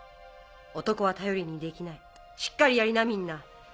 男は頼りにできないしっかりやりなみんな。